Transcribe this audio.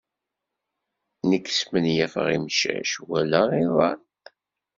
Nekk smenyafeɣ imcac wala iḍan.